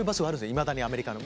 いまだにアメリカの。